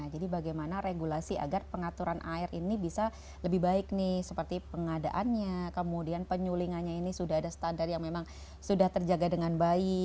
jadi bagaimana regulasi agar pengaturan air ini bisa lebih baik nih seperti pengadaannya kemudian penyulingannya ini sudah ada standar yang memang sudah terjaga dengan baik